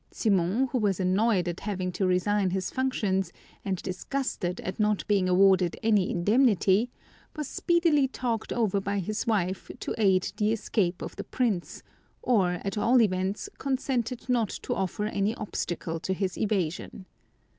Simon, who was annoyed at having to resign his functions, and disgusted at not being awarded any indemnity, was speedily talked over by his wife to aid the escape of the prince, or at all events consented not to offer any obstacle to his evasion.